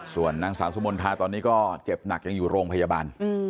ส่วนนางสาวสุมนทาตอนนี้ก็เจ็บหนักยังอยู่โรงพยาบาล